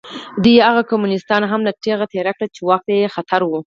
دوی هغه کمونېستان هم له تېغه تېر کړل چې واک ته یې خطر و.